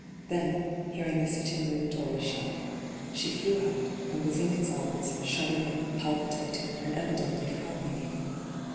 Then, hearing the sitting room door shut, she flew out, and was in his arms, shud dering, palpitating, and evidently frightening him.